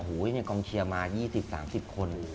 โหที่นี่กองเชียร์มา๒๐๓๐คน